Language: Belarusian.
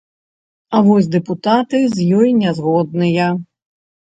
А вось дэпутаты з ёй не згодныя.